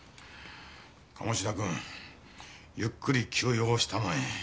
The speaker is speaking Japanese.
鴨志田君ゆっくり休養したまえ。